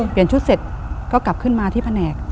เปลี่ยนชุดเสร็จก็กลับขึ้นมาที่แผนก